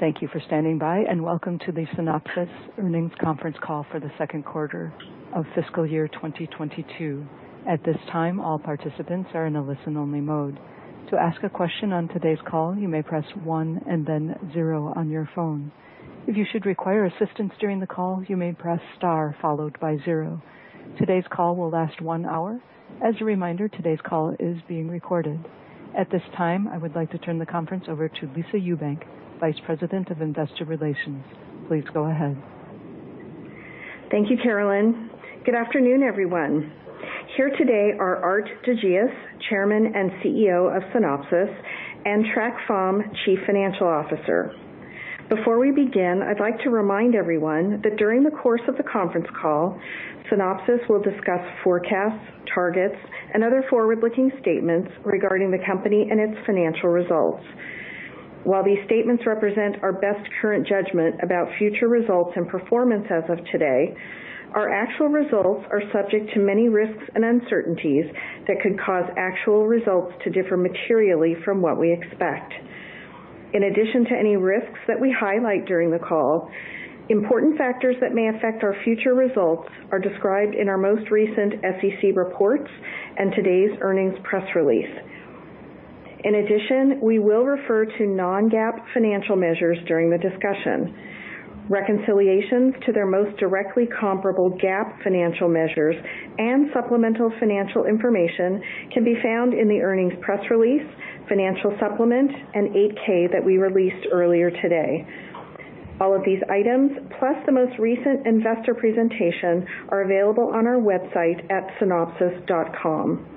Thank you for standing by and welcome to the Synopsys Earnings Conference Call for the second quarter of fiscal year 2022. At this time, all participants are in a listen-only mode. To ask a question on today's call, you may press one and then zero on your phone. If you should require assistance during the call, you may press star followed by zero. Today's call will last one hour. As a reminder, today's call is being recorded. At this time, I would like to turn the conference over to Lisa Ewbank, Vice President of Investor Relations. Please go ahead. Thank you, Carolyn. Good afternoon, everyone. Here today are Aart de Geus, Chairman and CEO of Synopsys, and Trac Pham, Chief Financial Officer. Before we begin, I'd like to remind everyone that during the course of the conference call, Synopsys will discuss forecasts, targets, and other forward-looking statements regarding the company and its financial results. While these statements represent our best current judgment about future results and performance as of today, our actual results are subject to many risks and uncertainties that could cause actual results to differ materially from what we expect. In addition to any risks that we highlight during the call, important factors that may affect our future results are described in our most recent SEC reports and today's earnings press release. In addition, we will refer to non-GAAP financial measures during the discussion. Reconciliations to their most directly comparable GAAP financial measures and supplemental financial information can be found in the earnings press release, financial supplement, and 8-K that we released earlier today. All of these items, plus the most recent investor presentation, are available on our website at synopsys.com.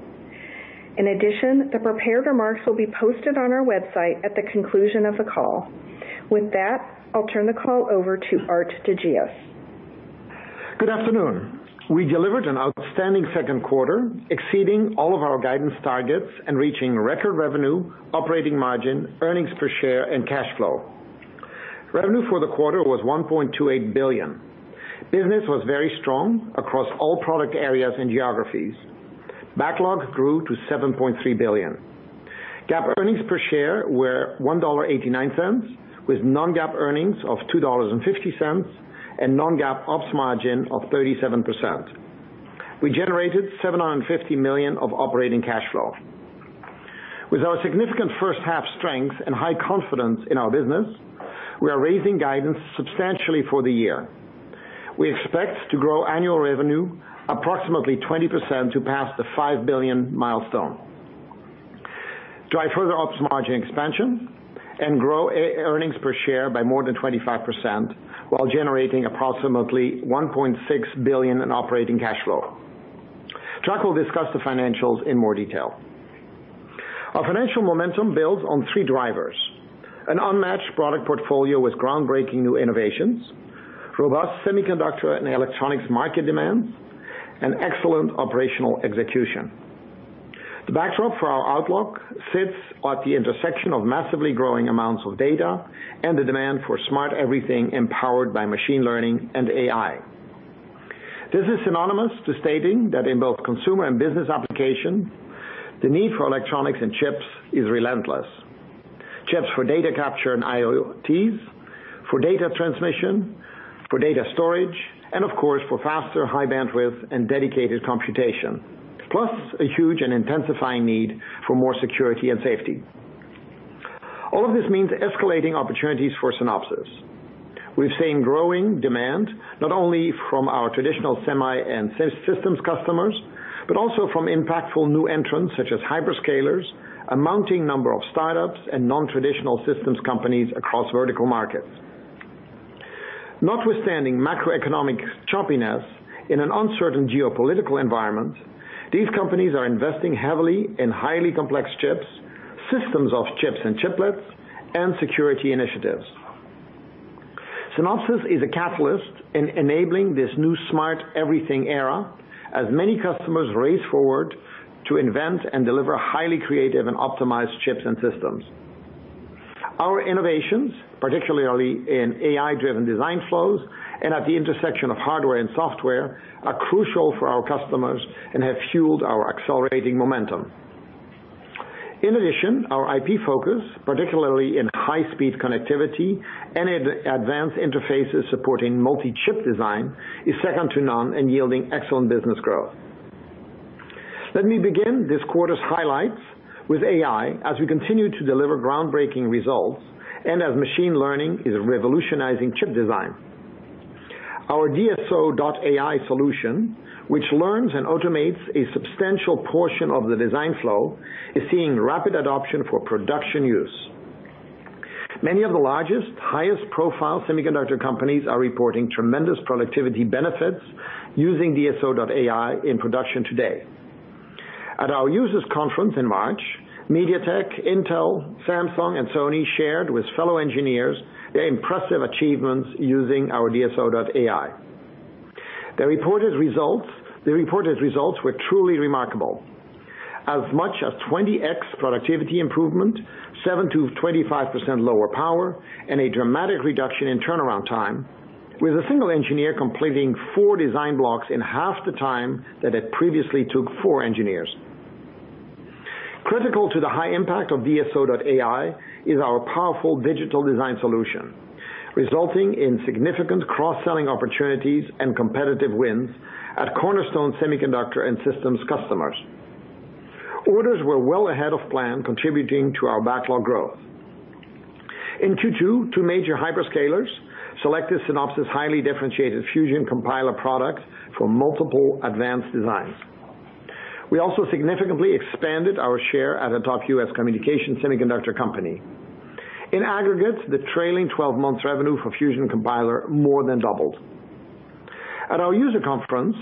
In addition, the prepared remarks will be posted on our website at the conclusion of the call. With that, I'll turn the call over to Aart de Geus. Good afternoon. We delivered an outstanding second quarter, exceeding all of our guidance targets and reaching record revenue, operating margin, earnings per share, and cash flow. Revenue for the quarter was $1.28 billion. Business was very strong across all product areas and geographies. Backlog grew to $7.3 billion. GAAP earnings per share were $1.89, with non-GAAP earnings of $2.50 and non-GAAP ops margin of 37%. We generated $750 million of operating cash flow. With our significant first half strength and high confidence in our business, we are raising guidance substantially for the year. We expect to grow annual revenue approximately 20% to pass the $5 billion milestone. Drive further ops margin expansion and grow earnings per share by more than 25% while generating approximately $1.6 billion in operating cash flow. Trac will discuss the financials in more detail. Our financial momentum builds on three drivers, an unmatched product portfolio with groundbreaking new innovations, robust semiconductor and electronics market demands, and excellent operational execution. The backdrop for our outlook sits at the intersection of massively growing amounts of data and the demand for smart everything empowered by machine learning and AI. This is synonymous to stating that in both consumer and business application, the need for electronics and chips is relentless. Chips for data capture and IoTs, for data transmission, for data storage, and of course, for faster, high bandwidth, and dedicated computation. Plus a huge and intensifying need for more security and safety. All of this means escalating opportunities for Synopsys. We've seen growing demand, not only from our traditional semi and SoC systems customers, but also from impactful new entrants such as hyperscalers, a mounting number of startups and non-traditional systems companies across vertical markets. Notwithstanding macroeconomic choppiness in an uncertain geopolitical environment, these companies are investing heavily in highly complex chips, systems of chips and chiplets, and security initiatives. Synopsys is a catalyst in enabling this new smart everything era as many customers race forward to invent and deliver highly creative and optimized chips and systems. Our innovations, particularly in AI-driven design flows and at the intersection of hardware and software, are crucial for our customers and have fueled our accelerating momentum. In addition, our IP focus, particularly in high-speed connectivity and advanced interfaces supporting multi-chip design, is second to none and yielding excellent business growth. Let me begin this quarter's highlights with AI as we continue to deliver groundbreaking results and as machine learning is revolutionizing chip design. Our DSO.ai solution, which learns and automates a substantial portion of the design flow, is seeing rapid adoption for production use. Many of the largest, highest-profile semiconductor companies are reporting tremendous productivity benefits using DSO.ai in production today. At our users conference in March, MediaTek, Intel, Samsung, and Sony shared with fellow engineers their impressive achievements using our DSO.ai. Their reported results were truly remarkable. As much as 20x productivity improvement, 7%-25% lower power, and a dramatic reduction in turnaround time, with a single engineer completing 4 design blocks in half the time that it previously took 4 engineers. Critical to the high impact of DSO.ai is our powerful digital design solution, resulting in significant cross-selling opportunities and competitive wins at cornerstone semiconductor and systems customers. Orders were well ahead of plan, contributing to our backlog growth. In Q2, two major hyperscalers selected Synopsys' highly differentiated Fusion Compiler product for multiple advanced designs. We also significantly expanded our share at a top US communications semiconductor company. In aggregate, the trailing 12-month revenue for Fusion Compiler more than doubled. At our user conference,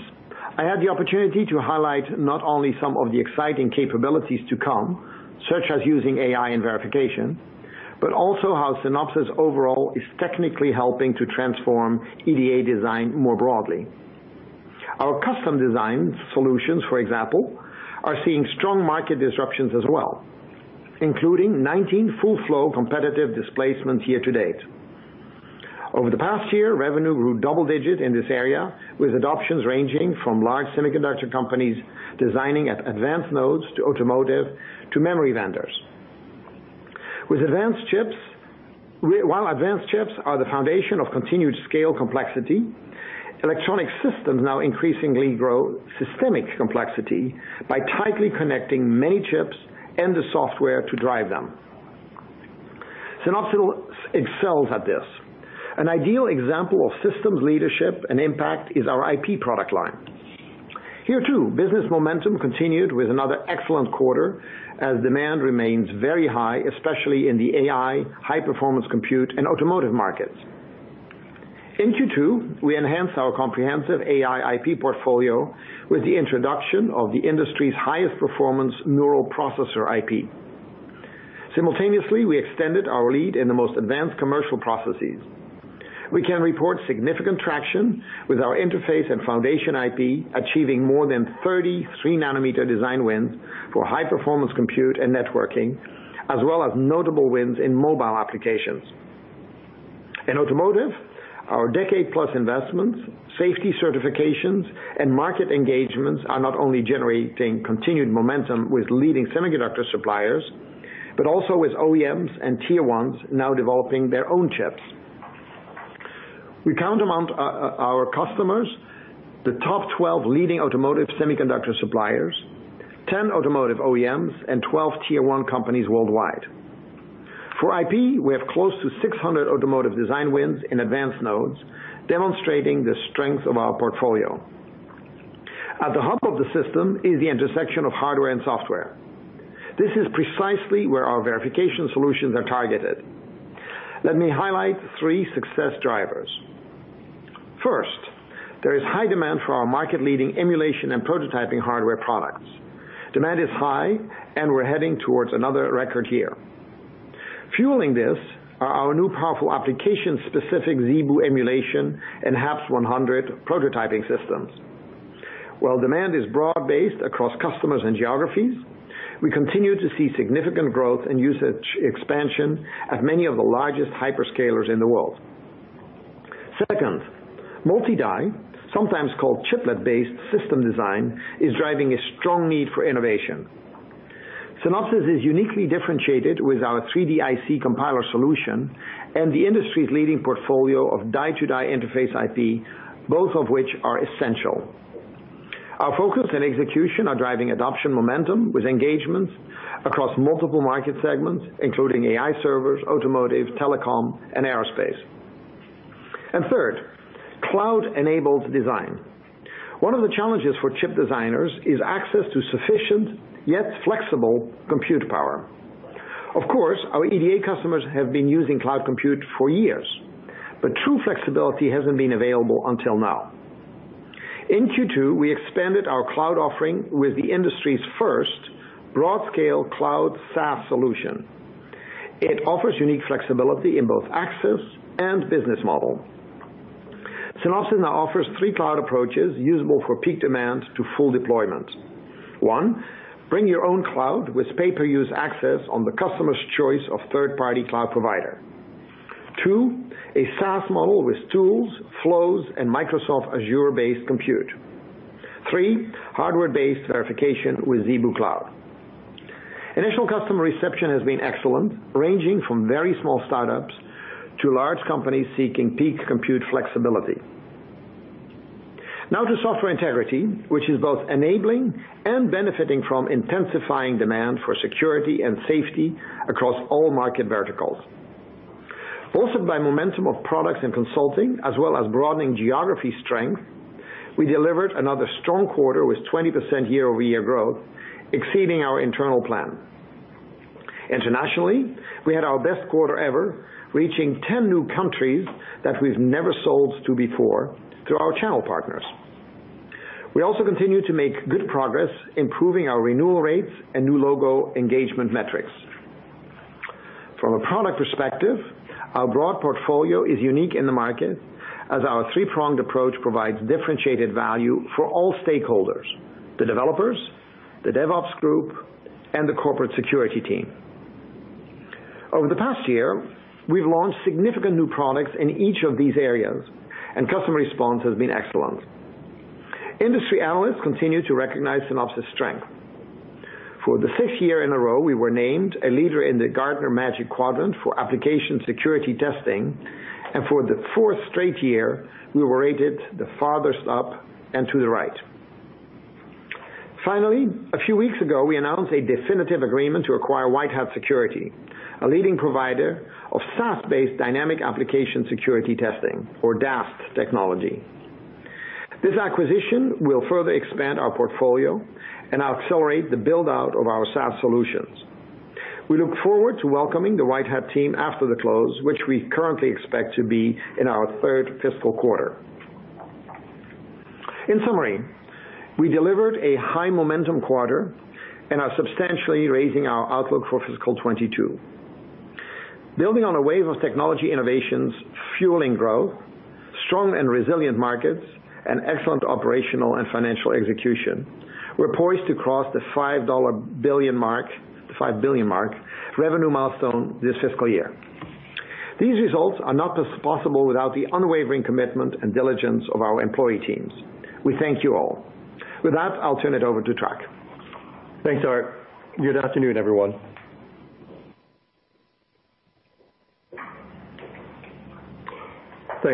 I had the opportunity to highlight not only some of the exciting capabilities to come, such as using AI and verification, but also how Synopsys overall is technically helping to transform EDA design more broadly. Our custom design solutions, for example, are seeing strong market disruptions as well, including 19 full flow competitive displacements year to date. Over the past year, revenue grew double-digit in this area, with adoptions ranging from large semiconductor companies designing at advanced nodes to automotive to memory vendors. While advanced chips are the foundation of continued scale complexity, electronic systems now increasingly grow systemic complexity by tightly connecting many chips and the software to drive them. Synopsys excels at this. An ideal example of systems leadership and impact is our IP product line. Here, too, business momentum continued with another excellent quarter as demand remains very high, especially in the AI, high performance compute, and automotive markets. In Q2, we enhanced our comprehensive AI IP portfolio with the introduction of the industry's highest performance neural processor IP. Simultaneously, we extended our lead in the most advanced commercial processes. We can report significant traction with our interface and foundation IP, achieving more than 30 three-nanometer design wins for high performance compute and networking, as well as notable wins in mobile applications. In automotive, our decade-plus investments, safety certifications, and market engagements are not only generating continued momentum with leading semiconductor suppliers, but also with OEMs and Tier ones now developing their own chips. We count among our customers the top 12 leading automotive semiconductor suppliers, 10 automotive OEMs, and 12 Tier one companies worldwide. For IP, we have close to 600 automotive design wins in advanced nodes, demonstrating the strength of our portfolio. At the hub of the system is the intersection of hardware and software. This is precisely where our verification solutions are targeted. Let me highlight three success drivers. First, there is high demand for our market-leading emulation and prototyping hardware products. Demand is high, and we're heading towards another record year. Fueling this are our new powerful application-specific ZeBu emulation and HAPS-100 prototyping systems. While demand is broad-based across customers and geographies, we continue to see significant growth and usage expansion at many of the largest hyperscalers in the world. Second, multi-die, sometimes called chiplet-based system design, is driving a strong need for innovation. Synopsys is uniquely differentiated with our 3DIC Compiler solution and the industry's leading portfolio of die-to-die interface IP, both of which are essential. Our focus and execution are driving adoption momentum with engagements across multiple market segments, including AI servers, automotive, telecom, and aerospace. Third, cloud-enabled design. One of the challenges for chip designers is access to sufficient, yet flexible, compute power. Of course, our EDA customers have been using cloud compute for years, but true flexibility hasn't been available until now. In Q2, we expanded our cloud offering with the industry's first broad scale cloud SaaS solution. It offers unique flexibility in both access and business model. Synopsys now offers three cloud approaches usable for peak demand to full deployment. One, bring your own cloud with pay-per-use access on the customer's choice of third-party cloud provider. Two, a SaaS model with tools, flows, and Microsoft Azure-based compute. Three, hardware-based verification with ZeBu Cloud. Initial customer reception has been excellent, ranging from very small startups to large companies seeking peak compute flexibility. Now to software integrity, which is both enabling and benefiting from intensifying demand for security and safety across all market verticals. Also, by momentum of products and consulting, as well as broadening geography strength, we delivered another strong quarter with 20% year-over-year growth, exceeding our internal plan. Internationally, we had our best quarter ever, reaching 10 new countries that we've never sold to before through our channel partners. We also continue to make good progress improving our renewal rates and new logo engagement metrics. From a product perspective, our broad portfolio is unique in the market as our three-pronged approach provides differentiated value for all stakeholders, the developers, the DevOps group, and the corporate security team. Over the past year, we've launched significant new products in each of these areas, and customer response has been excellent. Industry analysts continue to recognize Synopsys' strength. For the sixth year in a row, we were named a leader in the Gartner Magic Quadrant for application security testing, and for the fourth straight year, we were rated the farthest up and to the right. Finally, a few weeks ago, we announced a definitive agreement to acquire WhiteHat Security, a leading provider of SaaS-based dynamic application security testing or DAST technology. This acquisition will further expand our portfolio and accelerate the build-out of our SaaS solutions. We look forward to welcoming the WhiteHat team after the close, which we currently expect to be in our third fiscal quarter. In summary, we delivered a high momentum quarter and are substantially raising our outlook for fiscal 2022. Building on a wave of technology innovations, fueling growth, strong and resilient markets, and excellent operational and financial execution, we're poised to cross the $5 billion revenue milestone this fiscal year. These results are not possible without the unwavering commitment and diligence of our employee teams. We thank you all. With that, I'll turn it over to Trac. Thanks,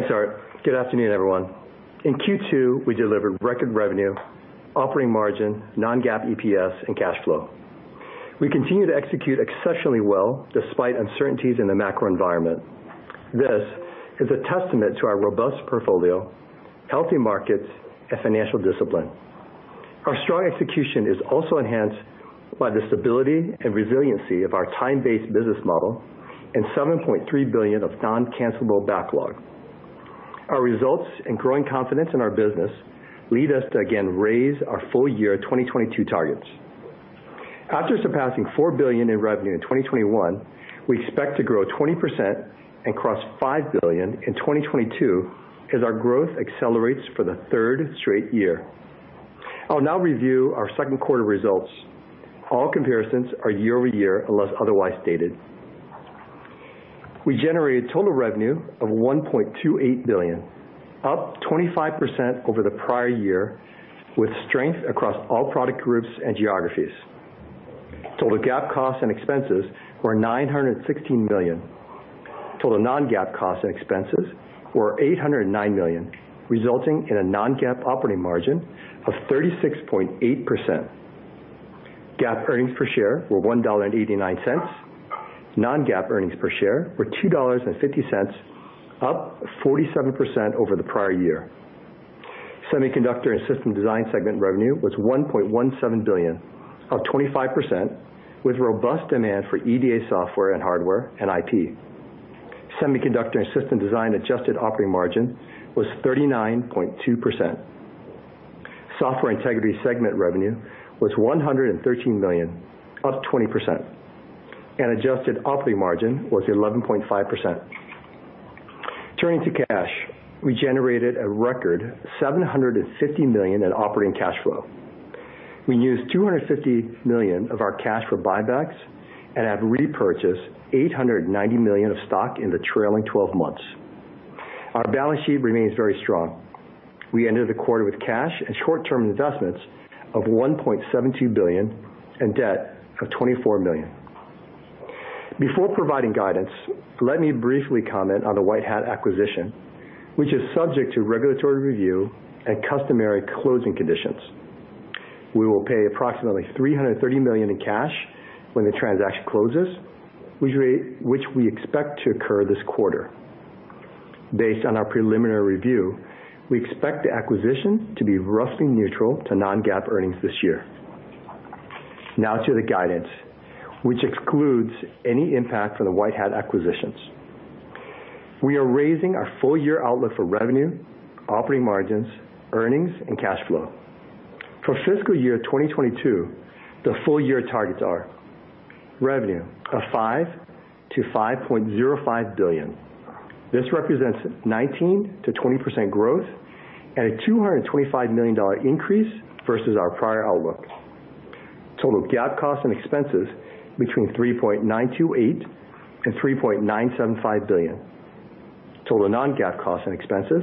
Aart. Good afternoon, everyone. In Q2, we delivered record revenue, operating margin, non-GAAP EPS, and cash flow. We continue to execute exceptionally well despite uncertainties in the macro environment. This is a testament to our robust portfolio, healthy markets, and financial discipline. Our strong execution is also enhanced by the stability and resiliency of our time-based business model and $7.3 billion of non-cancellable backlog. Our results and growing confidence in our business lead us to again raise our full year 2022 targets. After surpassing $4 billion in revenue in 2021, we expect to grow 20% and cross $5 billion in 2022 as our growth accelerates for the third straight year. I'll now review our second quarter results. All comparisons are year-over-year unless otherwise stated. We generated total revenue of $1.28 billion, up 25% over the prior year with strength across all product groups and geographies. Total GAAP costs and expenses were $916 million. Total non-GAAP costs and expenses were $809 million, resulting in a non-GAAP operating margin of 36.8%. GAAP earnings per share were $1.89. Non-GAAP earnings per share were $2.50, up 47% over the prior year. Semiconductor and systems design segment revenue was $1.17 billion, up 25% with robust demand for EDA software and hardware and IP. Semiconductor and system design adjusted operating margin was 39.2%. Software integrity segment revenue was $113 million, up 20%, and adjusted operating margin was 11.5%. Turning to cash, we generated a record $750 million in operating cash flow. We used $250 million of our cash for buybacks and have repurchased $890 million of stock in the trailing twelve months. Our balance sheet remains very strong. We ended the quarter with cash and short-term investments of $1.72 billion and debt of $24 million. Before providing guidance, let me briefly comment on the WhiteHat acquisition, which is subject to regulatory review and customary closing conditions. We will pay approximately $330 million in cash when the transaction closes, which we expect to occur this quarter. Based on our preliminary review, we expect the acquisition to be roughly neutral to non-GAAP earnings this year. Now to the guidance, which excludes any impact from the WhiteHat acquisitions. We are raising our full-year outlook for revenue, operating margins, earnings, and cash flow. For fiscal year 2022, the full-year targets are revenue of $5 billion-$5.05 billion. This represents 19%-20% growth and a $225 million increase versus our prior outlook. Total GAAP costs and expenses between $3.928 billion and $3.975 billion. Total non-GAAP costs and expenses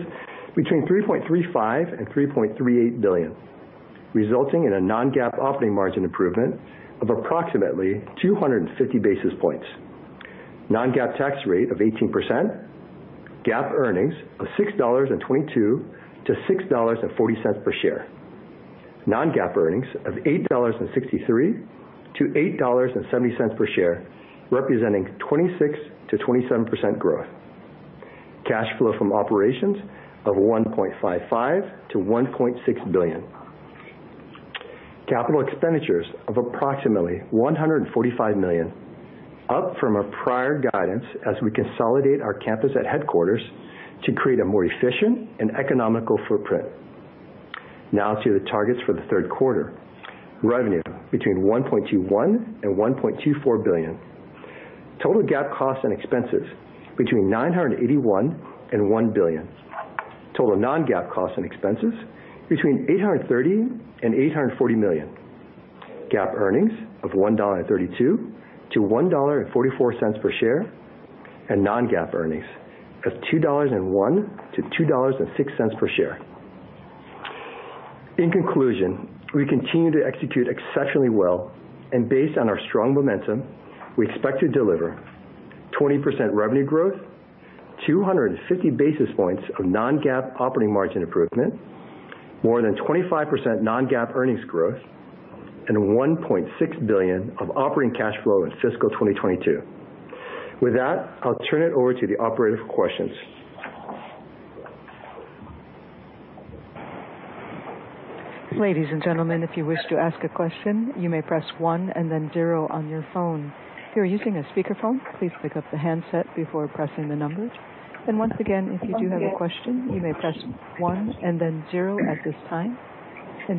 between $3.35 billion and $3.38 billion, resulting in a non-GAAP operating margin improvement of approximately 250 basis points. Non-GAAP tax rate of 18%. GAAP earnings of $6.22-$6.40 per share. Non-GAAP earnings of $8.63-$8.70 per share, representing 26%-27% growth. Cash flow from operations of $1.55 billion-$1.6 billion. Capital expenditures of approximately $145 million, up from our prior guidance as we consolidate our campus at headquarters to create a more efficient and economical footprint. Now to the targets for the third quarter. Revenue between $1.21 billion and $1.24 billion. Total GAAP costs and expenses between $981 million and $1 billion. Total non-GAAP costs and expenses between $830 million and $840 million. GAAP earnings of $1.32-$1.44 per share, and non-GAAP earnings of $2.01-$2.06 per share. In conclusion, we continue to execute exceptionally well, and based on our strong momentum, we expect to deliver 20% revenue growth, 250 basis points of non-GAAP operating margin improvement, more than 25% non-GAAP earnings growth, and $1.6 billion of operating cash flow in fiscal 2022. With that, I'll turn it over to the operator for questions. Ladies and gentlemen, if you wish to ask a question, you may press one and then zero on your phone. If you are using a speakerphone, please pick up the handset before pressing the numbers. Once again, if you do have a question, you may press one and then zero at this time.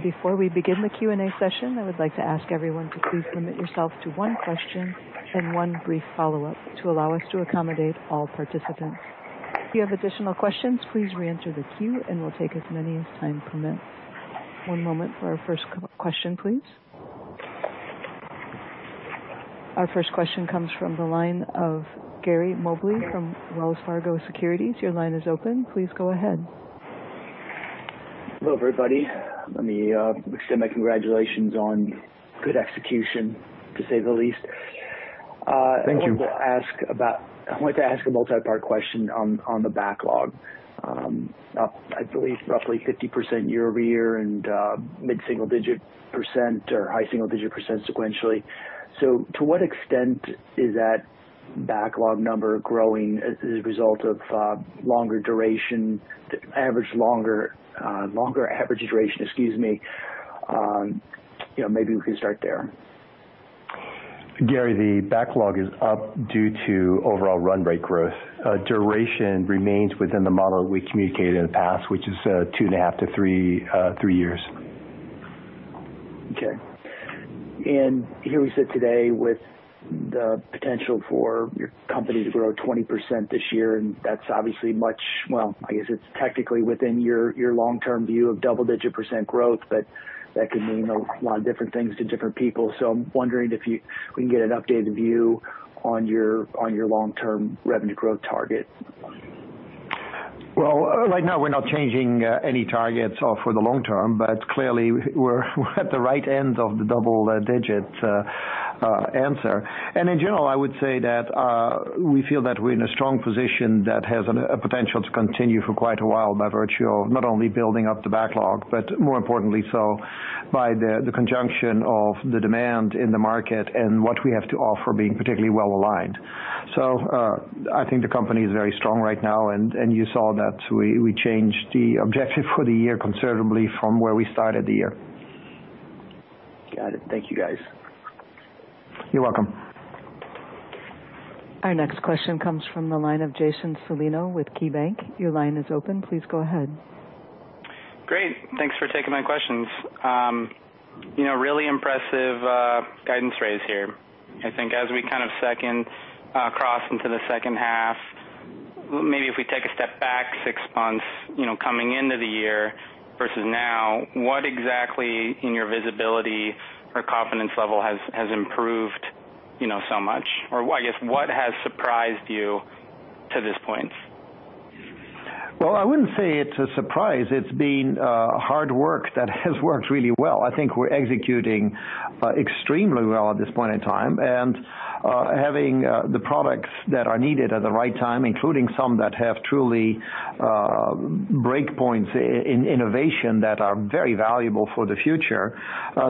Before we begin the Q&A session, I would like to ask everyone to please limit yourself to one question and one brief follow-up to allow us to accommodate all participants. If you have additional questions, please reenter the queue, and we'll take as many as time permits. One moment for our first question, please. Our first question comes from the line of Gary Mobley from Wells Fargo Securities. Your line is open. Please go ahead. Hello, everybody. Let me extend my congratulations on good execution, to say the least. Thank you. I want to ask a multipart question on the backlog. I believe roughly 50% year-over-year and mid-single-digit % or high single-digit % sequentially. To what extent is that backlog number growing as a result of longer average duration, excuse me. You know, maybe we can start there. Gary, the backlog is up due to overall run rate growth. Duration remains within the model we communicated in the past, which is 2.5-3 years. Okay. Here we sit today with the potential for your company to grow 20% this year, and that's obviously much. Well, I guess it's technically within your long-term view of double-digit % growth, but that can mean a lot of different things to different people. I'm wondering if we can get an updated view on your long-term revenue growth target. Well, right now, we're not changing any targets or for the long term, but clearly we're at the right end of the double-digit answer. In general, I would say that we feel that we're in a strong position that has a potential to continue for quite a while by virtue of not only building up the backlog, but more importantly so by the conjunction of the demand in the market and what we have to offer being particularly well-aligned. I think the company is very strong right now, and you saw that we changed the objective for the year considerably from where we started the year. Got it. Thank you, guys. You're welcome. Our next question comes from the line of Jason Celino with KeyBanc. Your line is open. Please go ahead. Great. Thanks for taking my questions. You know, really impressive guidance raise here. I think as we kind of cross into the second half, maybe if we take a step back six months, you know, coming into the year versus now, what exactly in your visibility or confidence level has improved, you know, so much? Or I guess what has surprised you to this point? Well, I wouldn't say it's a surprise. It's been hard work that has worked really well. I think we're executing extremely well at this point in time, and having the products that are needed at the right time, including some that have truly breakthroughs in innovation that are very valuable for the future,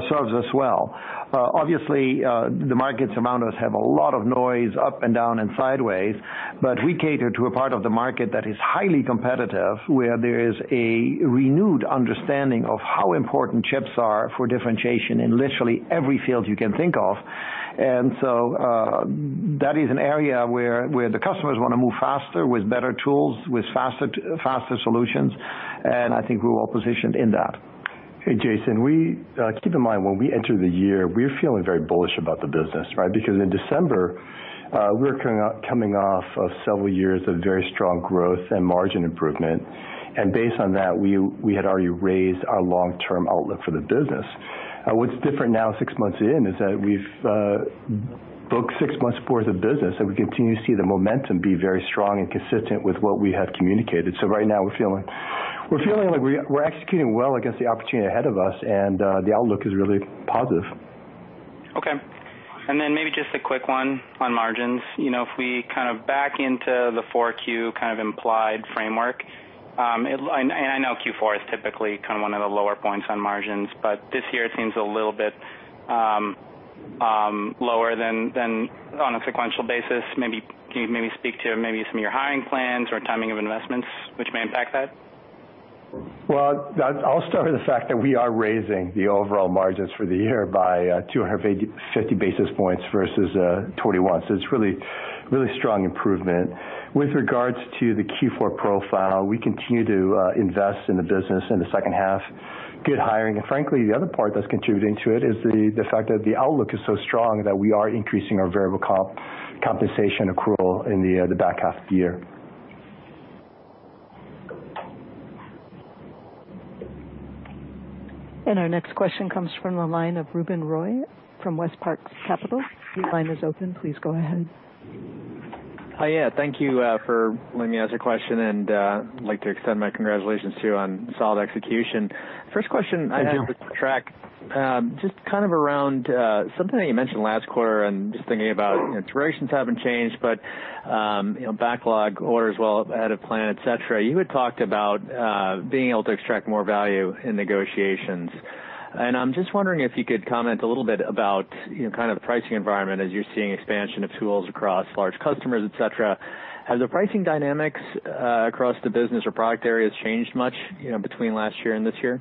serves us well. Obviously, the markets around us have a lot of noise up and down and sideways, but we cater to a part of the market that is highly competitive, where there is a renewed understanding of how important chips are for differentiation in literally every field you can think of. That is an area where the customers wanna move faster with better tools, with faster solutions, and I think we're well positioned in that. Hey, Jason. We... Keep in mind, when we entered the year, we're feeling very bullish about the business, right? Because in December, we're coming off of several years of very strong growth and margin improvement. Based on that, we had already raised our long-term outlook for the business. What's different now six months in is that we've booked six months worth of business, and we continue to see the momentum be very strong and consistent with what we have communicated. Right now we're feeling like we're executing well against the opportunity ahead of us and the outlook is really positive. Okay. Maybe just a quick one on margins. You know, if we kind of back into the 4Q kind of implied framework, I know Q4 is typically kind of one of the lower points on margins, but this year it seems a little bit lower than on a sequential basis. Maybe, can you maybe speak to maybe some of your hiring plans or timing of investments which may impact that? Well, that's also the fact that we are raising the overall margins for the year by 250 basis points versus 2021. It's really, really strong improvement. With regards to the Q4 profile, we continue to invest in the business in the second half. Good hiring. Frankly, the other part that's contributing to it is the fact that the outlook is so strong that we are increasing our variable compensation accrual in the back half of the year. Our next question comes from the line of Ruben Roy from WestPark Capital. Your line is open. Please go ahead. Hi. Yeah, thank you for letting me ask a question, and I'd like to extend my congratulations to you on solid execution. First question I had. Thank you. Something that you mentioned last quarter and just thinking about iterations haven't changed, but you know, backlog orders well ahead of plan, et cetera. You had talked about being able to extract more value in negotiations. I'm just wondering if you could comment a little bit about you know, kind of the pricing environment as you're seeing expansion of tools across large customers, et cetera. Has the pricing dynamics across the business or product areas changed much, you know, between last year and this year?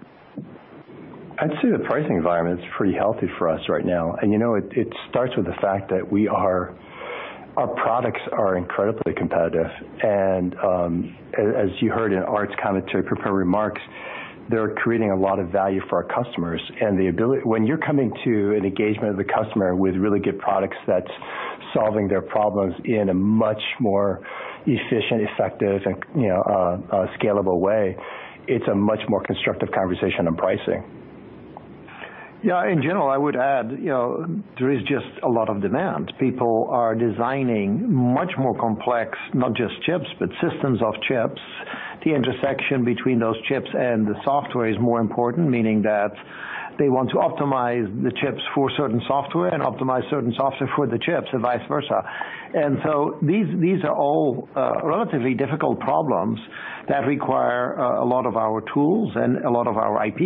I'd say the pricing environment is pretty healthy for us right now. You know, it starts with the fact that our products are incredibly competitive, and as you heard in Aart's commentary prepared remarks, they're creating a lot of value for our customers. When you're coming to an engagement of the customer with really good products that's solving their problems in a much more efficient, effective, and you know, scalable way, it's a much more constructive conversation on pricing. Yeah. In general, I would add, you know, there is just a lot of demand. People are designing much more complex, not just chips, but systems of chips. The intersection between those chips and the software is more important, meaning that they want to optimize the chips for certain software and optimize certain software for the chips and vice versa. These are all relatively difficult problems that require a lot of our tools and a lot of our IP.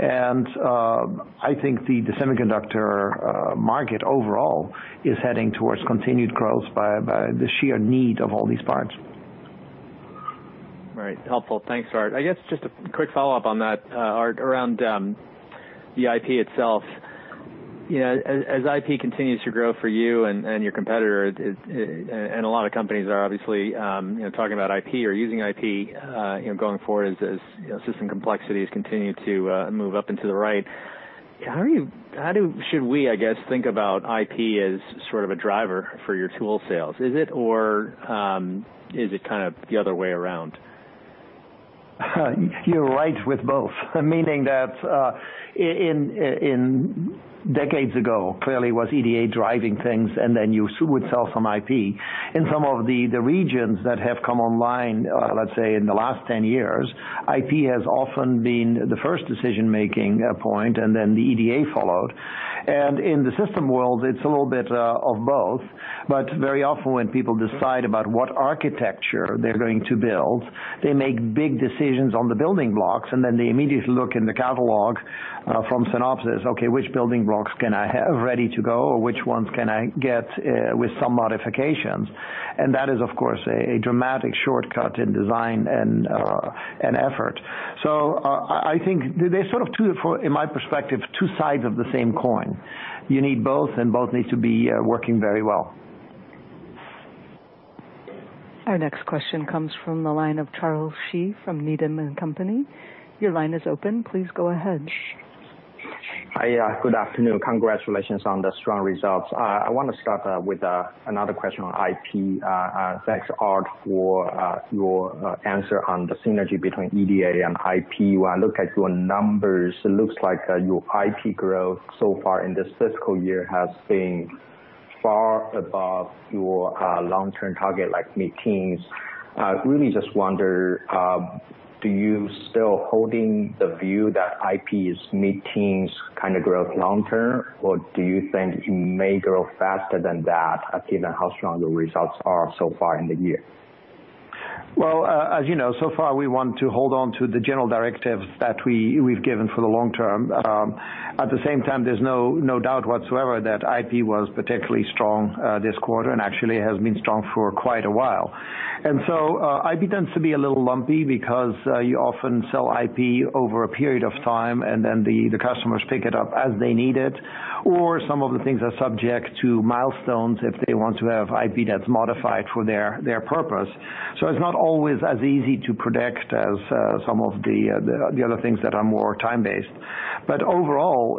I think the semiconductor market overall is heading towards continued growth by the sheer need of all these parts. Right. Helpful. Thanks, Aart. I guess just a quick follow-up on that, Aart, around the IP itself. You know, as IP continues to grow for you and your competitor, and a lot of companies are obviously you know, talking about IP or using IP, you know, going forward as you know, system complexities continue to move up and to the right, how should we, I guess, think about IP as sort of a driver for your tool sales? Is it or is it kind of the other way around? You're right with both, meaning that in decades ago clearly was EDA driving things and then you would sell some IP. In some of the regions that have come online, let's say in the last 10 years, IP has often been the first decision-making point, and then the EDA followed. In the system world, it's a little bit of both. Very often, when people decide about what architecture they're going to build, they make big decisions on the building blocks, and then they immediately look in the catalog from Synopsys, "Okay, which building blocks can I have ready to go, or which ones can I get with some modifications?" That is, of course, a dramatic shortcut in design and effort. I think there's sort of two, from my perspective, two sides of the same coin. You need both, and both need to be working very well. Our next question comes from the line of Charles Shi from Needham & Company. Your line is open. Please go ahead. Hi. Good afternoon. Congratulations on the strong results. I wanna start with another question on IP. Thanks, Aart, for your answer on the synergy between EDA and IP. When I look at your numbers, it looks like your IP growth so far in this fiscal year has been far above your long-term target, like mid-teens. Really just wonder, do you still holding the view that IP is mid-teens kind of growth long term, or do you think it may grow faster than that given how strong the results are so far in the year? Well, as you know, so far we want to hold on to the general directives that we've given for the long term. At the same time, there's no doubt whatsoever that IP was particularly strong this quarter and actually has been strong for quite a while. IP tends to be a little lumpy because you often sell IP over a period of time, and then the customers pick it up as they need it, or some of the things are subject to milestones if they want to have IP that's modified for their purpose. It's not always as easy to predict as some of the other things that are more time-based. Overall,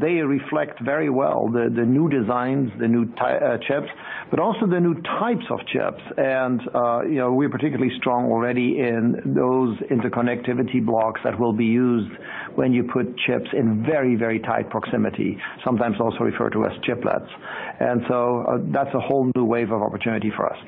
they reflect very well the new designs, the new chips, but also the new types of chips. You know, we're particularly strong already in those interconnectivity blocks that will be used when you put chips in very, very tight proximity, sometimes also referred to as chiplets. That's a whole new wave of opportunity for us.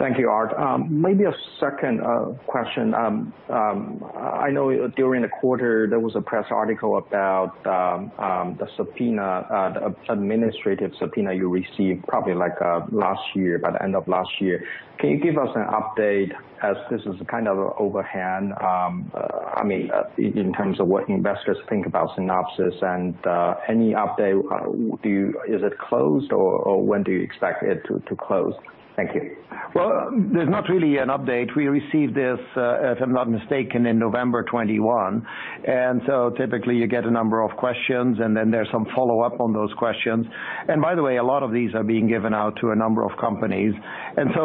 Thank you, Aart. Maybe a second question. I know during the quarter there was a press article about the subpoena, the administrative subpoena you received probably like last year, by the end of last year. Can you give us an update as this is kind of overhang, I mean, in terms of what investors think about Synopsys and any update. Is it closed, or when do you expect it to close? Thank you. Well, there's not really an update. We received this, if I'm not mistaken, in November 2021, so typically you get a number of questions, and then there's some follow-up on those questions. By the way, a lot of these are being given out to a number of companies.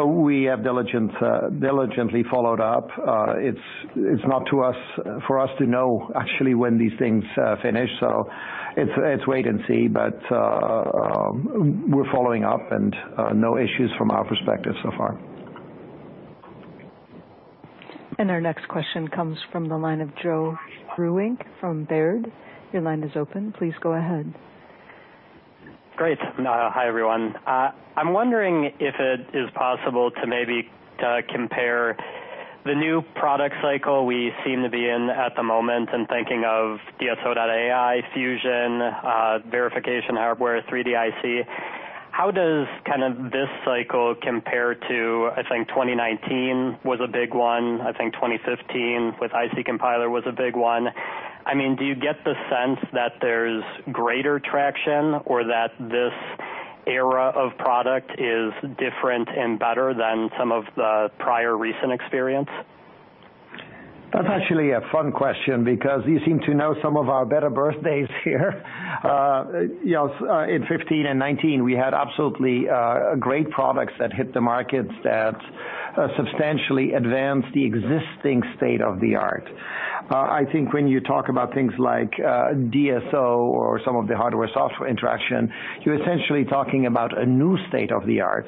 We have diligently followed up. It's not for us to know actually when these things finish, so it's wait and see. We're following up and no issues from our perspective so far. Our next question comes from the line of Joe Vruwink from Baird. Your line is open. Please go ahead. Hi, everyone. I'm wondering if it is possible to maybe compare the new product cycle we seem to be in at the moment and thinking of DSO.ai, Fusion, verification hardware, 3D IC. How does kind of this cycle compare to, I think 2019 was a big one, I think 2015 with IC Compiler was a big one. I mean, do you get the sense that there's greater traction or that this era of product is different and better than some of the prior recent experience? That's actually a fun question because you seem to know some of our better birthdays here. You know, in 2015 and 2019, we had absolutely great products that hit the markets that substantially advanced the existing state of the art. I think when you talk about things like DSO or some of the hardware-software interaction, you're essentially talking about a new state of the art.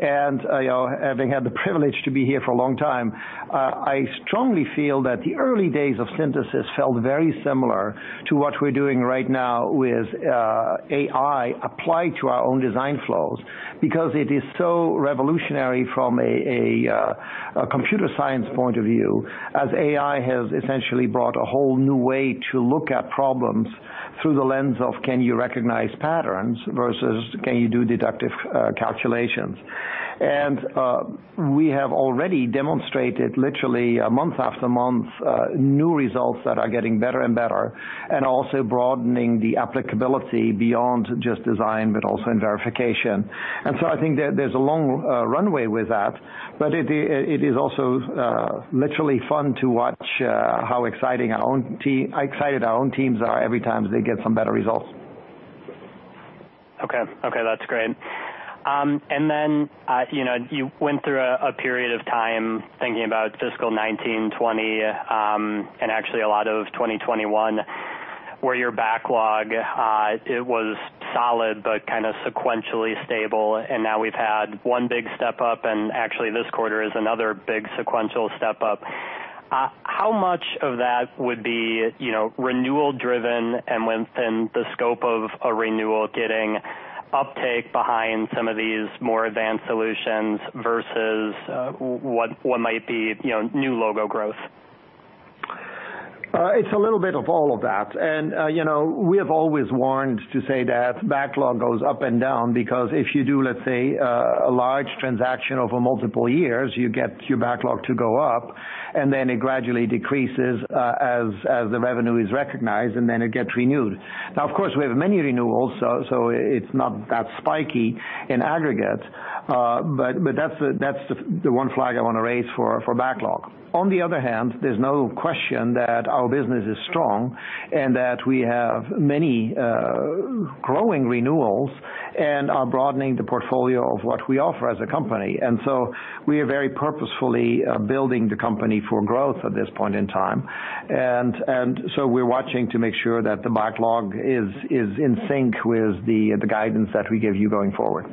You know, having had the privilege to be here for a long time, I strongly feel that the early days of synthesis felt very similar to what we're doing right now with AI applied to our own design flows because it is so revolutionary from a computer science point of view, as AI has essentially brought a whole new way to look at problems through the lens of can you recognize patterns versus can you do deductive calculations. We have already demonstrated literally month after month new results that are getting better and better and also broadening the applicability beyond just design, but also in verification. I think there's a long runway with that, but it is also literally fun to watch how excited our own teams are every time they get some better results. Okay. Okay, that's great. You know, you went through a period of time thinking about fiscal 2019, 2020, and actually a lot of 2021, where your backlog it was solid but kinda sequentially stable, and now we've had one big step up, and actually, this quarter is another big sequential step up. How much of that would be, you know, renewal driven and within the scope of a renewal getting uptake behind some of these more advanced solutions versus what might be, you know, new logo growth? It's a little bit of all of that. You know, we have always warned to say that backlog goes up and down because if you do, let's say, a large transaction over multiple years, you get your backlog to go up, and then it gradually decreases, as the revenue is recognized, and then it gets renewed. Now, of course, we have many renewals, so it's not that spiky in aggregate, but that's the one flag I wanna raise for backlog. On the other hand, there's no question that our business is strong and that we have many growing renewals and are broadening the portfolio of what we offer as a company. We are very purposefully building the company for growth at this point in time. We're watching to make sure that the backlog is in sync with the guidance that we give you going forward.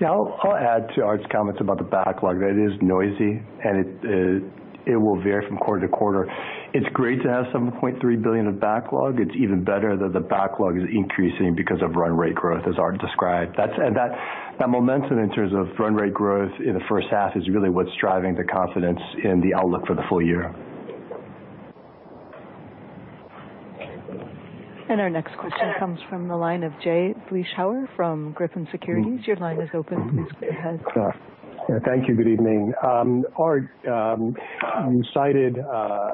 Yeah, I'll add to Aart's comments about the backlog. That it is noisy, and it will vary from quarter to quarter. It's great to have $0.3 billion of backlog. It's even better that the backlog is increasing because of run rate growth, as Art described. That's and that momentum in terms of run rate growth in the first half is really what's driving the confidence in the outlook for the full year. Our next question comes from the line of Jay Vleeschhouwer from Griffin Securities. Your line is open. Please go ahead. Thank you. Good evening. Aart, you cited,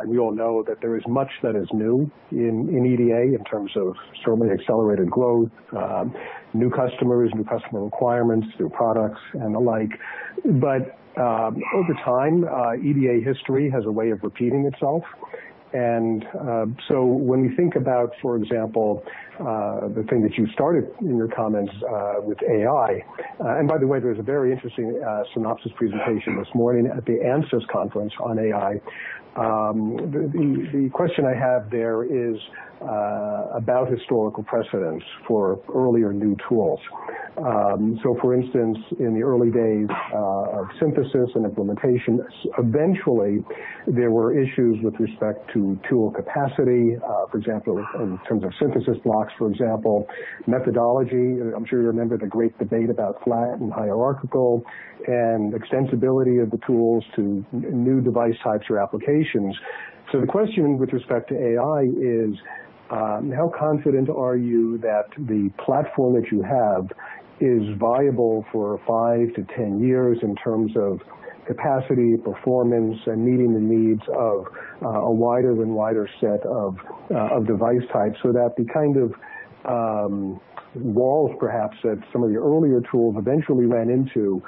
we all know that there is much that is new in EDA in terms of certainly accelerated growth, new customers, new customer requirements through products and the like. Over time, EDA history has a way of repeating itself, and so when we think about, for example, the thing that you started in your comments, with AI, and by the way, there was a very interesting Synopsys presentation this morning at the Ansys conference on AI. The question I have there is about historical precedent for earlier new tools. For instance, in the early days of synthesis and implementation, eventually, there were issues with respect to tool capacity, for example, in terms of synthesis blocks, for example, methodology. I'm sure you remember the great debate about flat and hierarchical and extensibility of the tools to new device types or applications. The question with respect to AI is, how confident are you that the platform that you have is viable for 5-10 years in terms of capacity, performance, and meeting the needs of a wider and wider set of device types, so that the kind of walls, perhaps, that some of the earlier tools eventually ran into,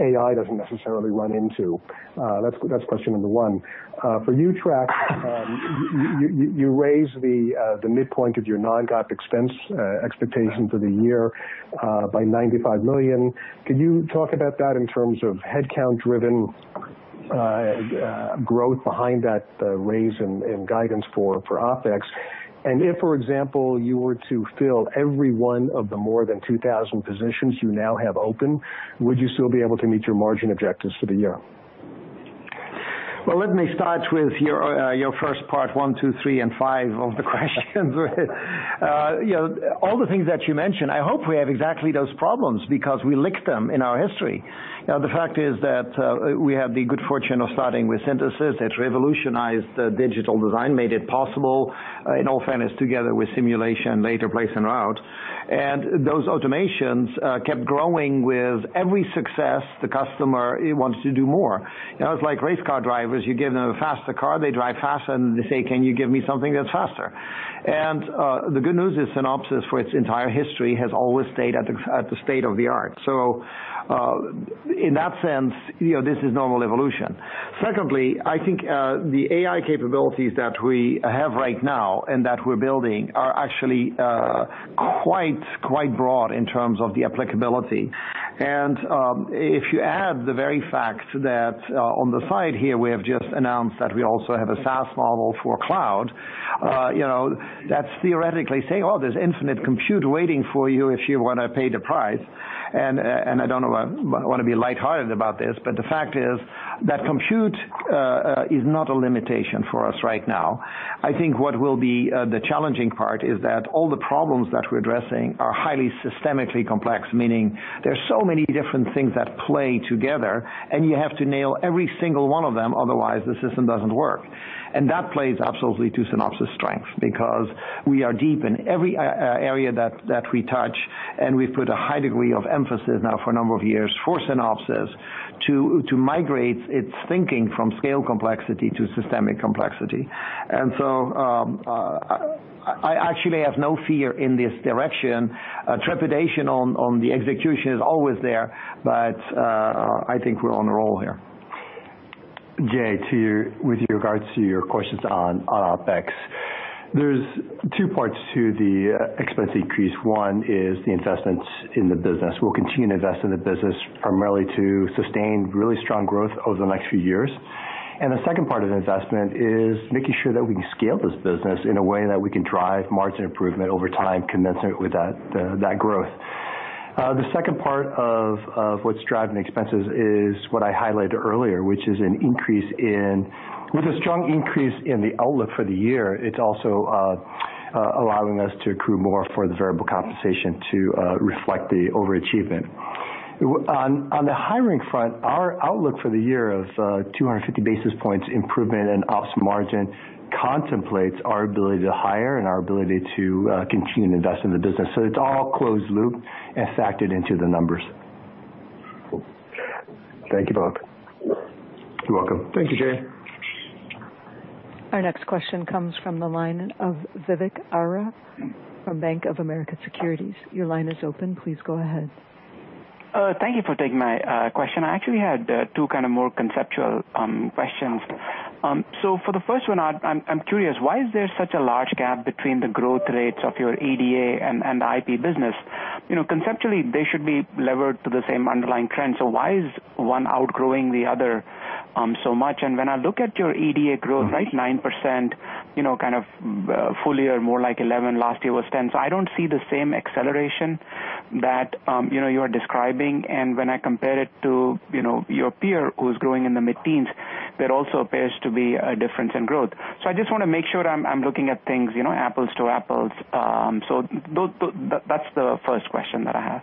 AI doesn't necessarily run into? That's question number one. For you, Trac, you raised the midpoint of your non-GAAP expense expectations for the year by $95 million. Can you talk about that in terms of headcount-driven growth behind that raise and guidance for OpEx? If, for example, you were to fill every one of the more than 2,000 positions you now have open, would you still be able to meet your margin objectives for the year? Well, let me start with your first part one, two, three and five of the questions. You know, all the things that you mentioned, I hope we have exactly those problems because we licked them in our history. You know, the fact is that we have the good fortune of starting with synthesis that revolutionized digital design, made it possible, in all fairness, together with simulation, later place and route. Those automations kept growing with every success the customer wants to do more. You know, it's like race car drivers. You give them a faster car, they drive faster, and they say, "Can you give me something that's faster?" The good news is Synopsys, for its entire history, has always stayed at the state-of-the-art. In that sense, you know, this is normal evolution. Secondly, I think, the AI capabilities that we have right now and that we're building are actually, quite broad in terms of the applicability. If you add the very fact that, on the side here, we have just announced that we also have a SaaS model for cloud, you know, that's theoretically saying, "Oh, there's infinite compute waiting for you if you want to pay the price." I don't want to be light-hearted about this, but the fact is that compute is not a limitation for us right now. I think what will be the challenging part is that all the problems that we're addressing are highly systemically complex, meaning there are so many different things that play together, and you have to nail every single one of them, otherwise the system doesn't work. That plays absolutely to Synopsys' strength because we are deep in every area that we touch, and we've put a high degree of emphasis now for a number of years for Synopsys to migrate its thinking from scale complexity to systemic complexity. I actually have no fear in this direction. Trepidation on the execution is always there, but I think we're on a roll here. Jay, with regards to your questions on OpEx, there's two parts to the expense increase. One is the investments in the business. We'll continue to invest in the business primarily to sustain really strong growth over the next few years. The second part of the investment is making sure that we scale this business in a way that we can drive margin improvement over time commensurate with that growth. The second part of what's driving expenses is what I highlighted earlier. With a strong increase in the outlook for the year, it's also allowing us to accrue more for the variable compensation to reflect the overachievement. On the hiring front, our outlook for the year of 250 basis points improvement in ops margin contemplates our ability to hire and our ability to continue to invest in the business. It's all closed loop and factored into the numbers. Thank you both. You're welcome. Thank you, Jay. Our next question comes from the line of Vivek Arya from Bank of America Securities. Your line is open. Please go ahead. Thank you for taking my question. I actually had two kind of more conceptual questions. For the first one, I'm curious why there is such a large gap between the growth rates of your EDA and the IP business. You know, conceptually, they should be levered to the same underlying trend. Why is one outgrowing the other so much? When I look at your EDA growth, right, 9%, you know, kind of full year, more like 11%, last year was 10%. I don't see the same acceleration that you know you are describing. When I compare it to you know your peer who's growing in the mid-teens%, there also appears to be a difference in growth. I just want to make sure I'm looking at things you know apples to apples. That's the first question that I have.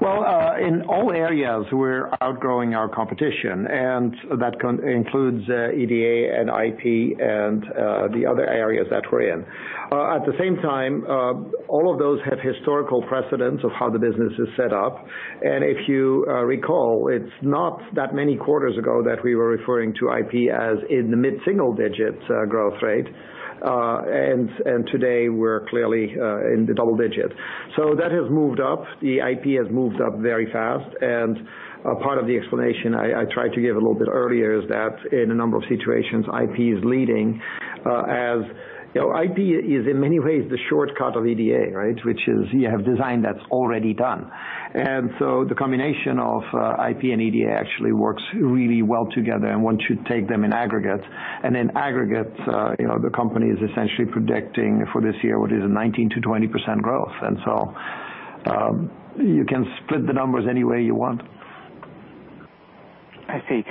Well, in all areas we're outgrowing our competition, and that includes EDA and IP and the other areas that we're in. At the same time, all of those have historical precedents of how the business is set up. If you recall, it's not that many quarters ago that we were referring to IP as in the mid-single digits growth rate. Today we're clearly in the double digits. That has moved up. The IP has moved up very fast. Part of the explanation I tried to give a little bit earlier is that in a number of situations, IP is leading. You know, IP is in many ways the shortcut of EDA, right? Which is you have design that's already done. The combination of IP and EDA actually works really well together and one should take them in aggregate. In aggregate, you know, the company is essentially predicting for this year what is a 19%-20% growth. You can split the numbers any way you want. I see.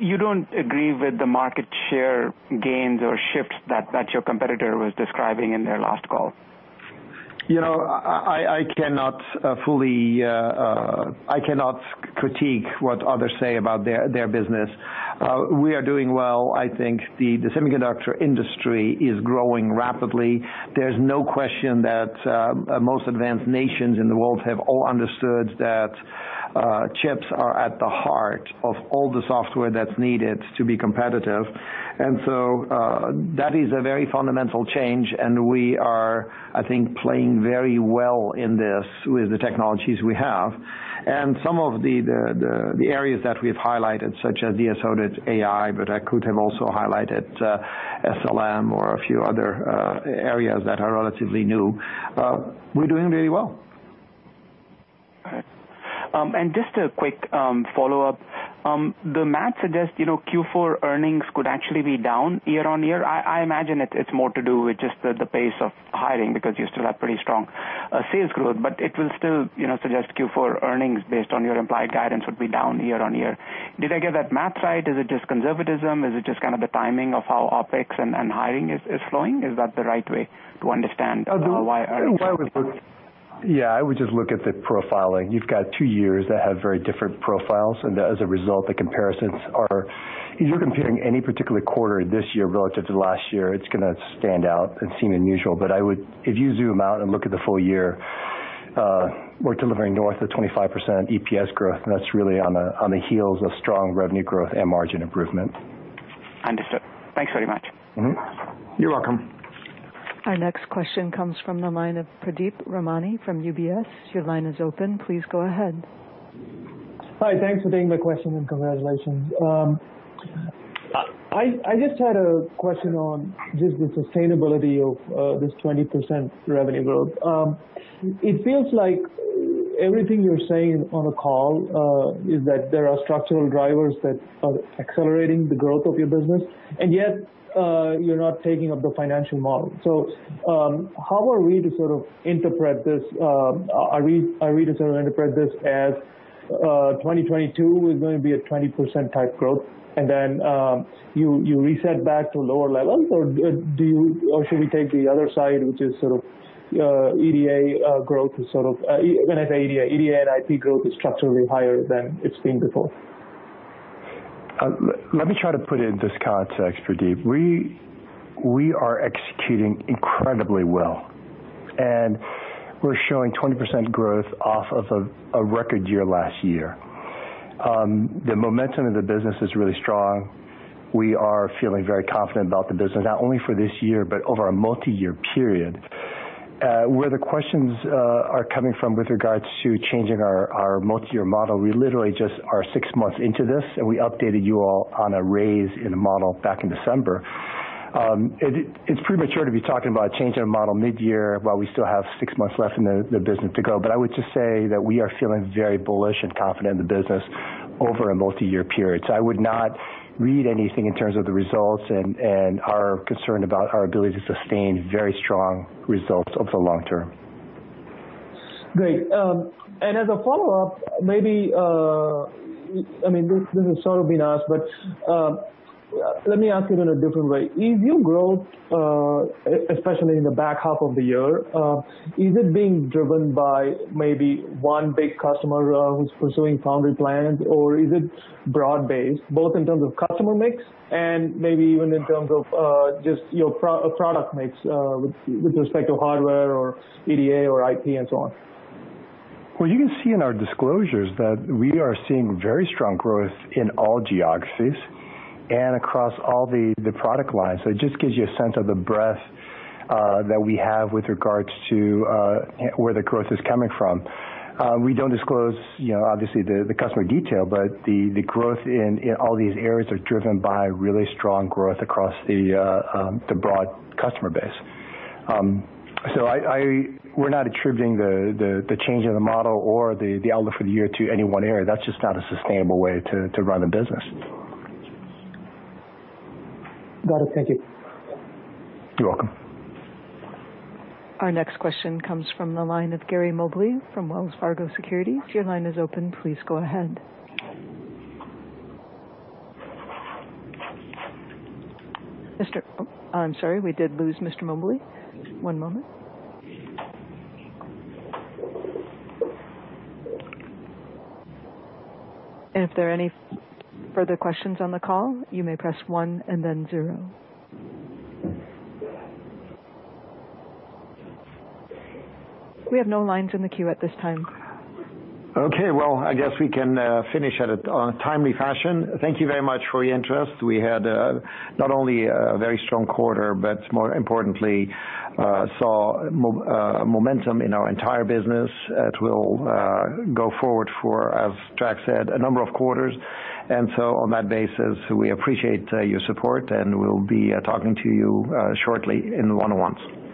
You don't agree with the market share gains or shifts that your competitor was describing in their last call? You know, I cannot fully critique what others say about their business. We are doing well. I think the semiconductor industry is growing rapidly. There's no question that most advanced nations in the world have all understood that chips are at the heart of all the software that's needed to be competitive. That is a very fundamental change and we are, I think, playing very well in this with the technologies we have. Some of the areas that we've highlighted, such as DSO.ai, AI, but I could have also highlighted SLM or a few other areas that are relatively new, we're doing really well. All right. Just a quick follow-up. The math suggests, you know, Q4 earnings could actually be down year-over-year. I imagine it's more to do with just the pace of hiring because you still have pretty strong sales growth, but it will still, you know, suggest Q4 earnings based on your implied guidance would be down year-over-year. Did I get that math right? Is it just conservatism? Is it just kind of the timing of how OpEx and hiring is flowing? Is that the right way to understand why earnings? Yeah, I would just look at the profiling. You've got two years that have very different profiles, and as a result, the comparisons are. If you're comparing any particular quarter this year relative to last year, it's gonna stand out and seem unusual. I would if you zoom out and look at the full year, we're delivering north of 25% EPS growth, and that's really on the heels of strong revenue growth and margin improvement. Understood. Thanks very much. Mm-hmm. You're welcome. Our next question comes from the line of Pradeep Ramani from UBS. Your line is open. Please go ahead. Hi. Thanks for taking my question, and congratulations. I just had a question on just the sustainability of this 20% revenue growth. It feels like everything you're saying on the call is that there are structural drivers that are accelerating the growth of your business, and yet you're not taking up the financial model. How are we to sort of interpret this? Are we to sort of interpret this as 2022 is gonna be a 20% type growth, and then you reset back to lower levels? Should we take the other side, which is sort of EDA growth is sort of when I say EDA and IP growth is structurally higher than it's been before? Let me try to put it in this context, Pradeep. We are executing incredibly well, and we're showing 20% growth off of a record year last year. The momentum of the business is really strong. We are feeling very confident about the business, not only for this year but over a multi-year period. Where the questions are coming from with regards to changing our multi-year model, we literally just are six months into this, and we updated you all on a raise in the model back in December. It's premature to be talking about changing a model midyear while we still have six months left in the business to go. I would just say that we are feeling very bullish and confident in the business over a multi-year period. I would not read anything in terms of the results and our concern about our ability to sustain very strong results over the long term. Great. As a follow-up, maybe, I mean, this has sort of been asked, but, let me ask it in a different way. Is your growth, especially in the back half of the year, is it being driven by maybe one big customer, who's pursuing foundry plans, or is it broad-based, both in terms of customer mix and maybe even in terms of, just your product mix, with respect to hardware or EDA or IP and so on? Well, you can see in our disclosures that we are seeing very strong growth in all geographies and across all the product lines. It just gives you a sense of the breadth that we have with regards to where the growth is coming from. We don't disclose, you know, obviously the customer detail, but the growth in all these areas are driven by really strong growth across the broad customer base. We're not attributing the change in the model or the outlook for the year to any one area. That's just not a sustainable way to run a business. Got it. Thank you. You're welcome. Our next question comes from the line of Gary Mobley from Wells Fargo Securities. Your line is open. Please go ahead. I'm sorry, we did lose Mr. Mobley. One moment. If there are any further questions on the call, you may press one and then zero. We have no lines in the queue at this time. Okay. Well, I guess we can finish in a timely fashion. Thank you very much for your interest. We had not only a very strong quarter, but more importantly, saw momentum in our entire business that will go forward for, as Trac said, a number of quarters. On that basis, we appreciate your support, and we'll be talking to you shortly in one-on-ones.